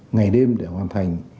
ngày đêm để hoàn thành